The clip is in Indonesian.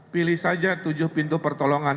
pilih saja tujuh pintu pertolongan